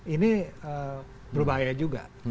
ini berbahaya juga